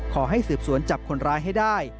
ขอให้สืบสวนจับคนร้ายให้ได้